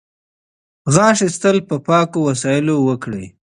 غاښ ایستل په پاکو وسایلو وکړئ.